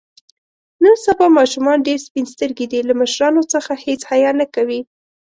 نن سبا ماشومان ډېر سپین سترګي دي. له مشرانو څخه هېڅ حیا نه کوي.